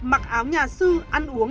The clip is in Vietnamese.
mặc áo nhà sư ăn uống